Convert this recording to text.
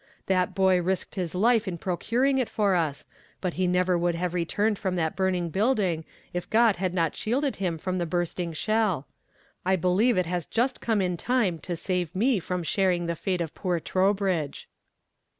That boy risked his life in procuring it for us, but he never would have returned from that burning building if God had not shielded him from the bursting shell. I believe it has just come in time to save me from sharing the fate of poor Trowbridge."